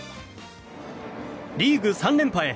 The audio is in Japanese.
リーグ３連覇へ。